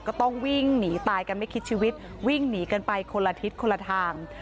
ก็ต้องวิ่งหนีตายกันไม่คิดชีวิตวิ่งหนีกันไปคนละทิศคนละทาง